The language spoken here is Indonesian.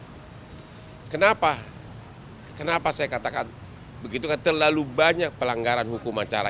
jadi kenapa saya katakan begitu terlalu banyak pelanggaran hukum acara